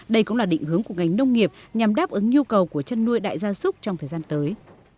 đây cũng là định hướng của ngành nông nghiệp nhằm đáp ứng nhu cầu của chân nuôi đại gia súc trong thời gian tới